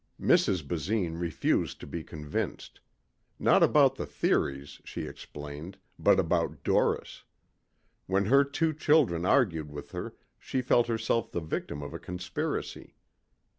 Mrs. Basine refused to be convinced. Not about the theories, she explained, but about Doris. When her two children argued with her she felt herself the victim of a conspiracy.